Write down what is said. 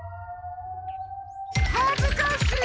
はずかしい！